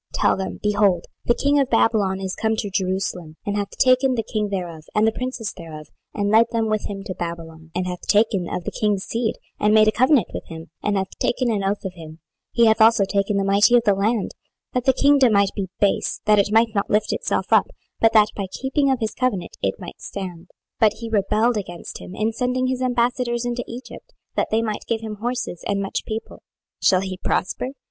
tell them, Behold, the king of Babylon is come to Jerusalem, and hath taken the king thereof, and the princes thereof, and led them with him to Babylon; 26:017:013 And hath taken of the king's seed, and made a covenant with him, and hath taken an oath of him: he hath also taken the mighty of the land: 26:017:014 That the kingdom might be base, that it might not lift itself up, but that by keeping of his covenant it might stand. 26:017:015 But he rebelled against him in sending his ambassadors into Egypt, that they might give him horses and much people. Shall he prosper?